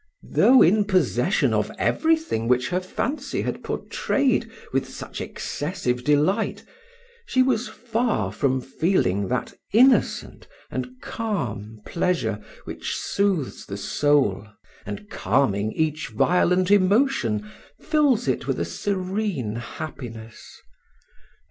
Though in possession of every thing which her fancy had portrayed with such excessive delight, she was far from feeling that innocent and clam pleasure which soothes the soul, and, calming each violent emotion, fills it with a serene happiness.